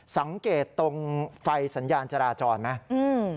สังเกตตรงไฟสัญญาณจราจรไหม